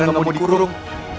pangeran gak mau dikurung